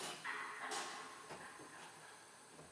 截萼忍冬为忍冬科忍冬属下的一个种。